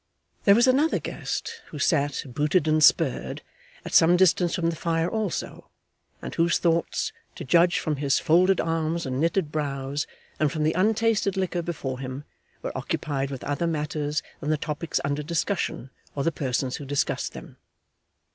There was another guest, who sat, booted and spurred, at some distance from the fire also, and whose thoughts to judge from his folded arms and knitted brows, and from the untasted liquor before him were occupied with other matters than the topics under discussion or the persons who discussed them.